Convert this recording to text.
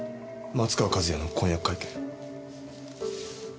松川一弥の婚約会見。